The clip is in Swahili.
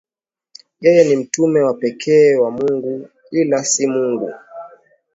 yeye ni mtume wa pekee wa Mungu ila si Mungu